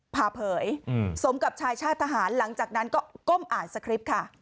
ผ่าเผยสมกับชายชาติทหารหลังจากนั้นก็ก้มอ่านสคริปต์ค่ะ